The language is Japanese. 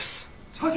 社長！